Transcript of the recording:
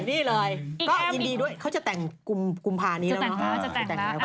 ก็ยินดีด้วยเขาจะแต่งกุมภาพนี้แล้วนะ